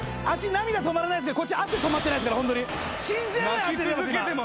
あっち涙止まらないですけどこっち汗止まってないですから。